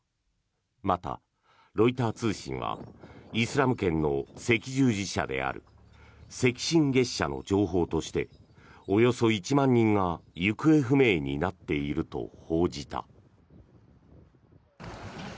また、ロイター通信はイスラム圏の赤十字社である赤新月社の情報としておよそ１万人が行方不明になっていると報じた。